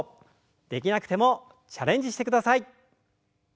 できなくてもチャレンジしてください。